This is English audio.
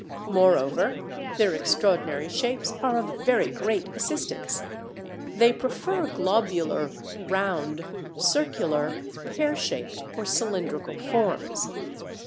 Moreover their extraordinary shapes are of very great assistance. They prefer globular, round, circular, pear shaped, or cylindrical forms.